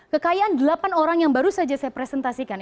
kekayaan delapan orang yang baru saja saya presentasikan